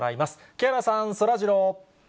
木原さん、そらジロー。